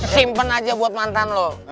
simpen aja buat mantan lo